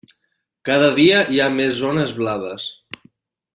Cada dia hi ha més zones blaves.